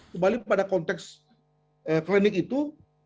kembali pada konteks klinik itu